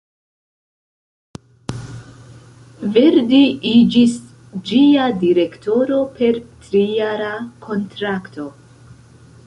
Verdi iĝis ĝia direktoro per trijara kontrakto.